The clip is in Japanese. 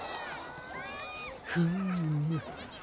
フーム。